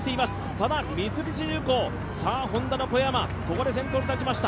ただ、三菱重工、Ｈｏｎｄａの小山、ここで先頭に立ちました。